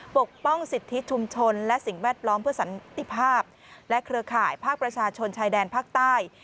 ปกป้องสิทธิชุมชนและสิ่งแวดล้อมเพื่อสันติภาพและเครือข่ายภาคประชาชนชายแดนภาคใต้